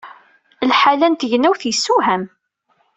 Lḥal-a n tegnewt yessewham!